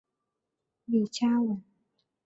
李嘉文。